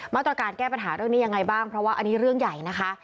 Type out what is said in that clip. มาตรการแก้ปัญหาเรื่องนี้ยังไงบ้างเพราะว่าอันนี้เรื่องใหญ่นะคะ